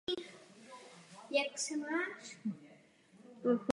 Prvorepublikové univerzitní prostředí v Brně bylo svobodné a otevřené diskusi.